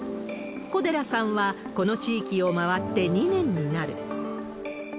小寺さんは、この地域を回って２年になる。